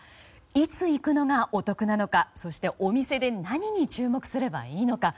いつ行くのがお得なのかそしてお店で何に注目すればいいのか。